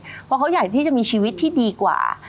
เพราะเขาอยากที่จะมีชีวิตที่ดีกว่า